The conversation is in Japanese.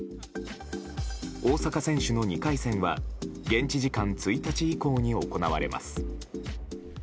大坂選手の２回戦は現地時間１日以降に行われます。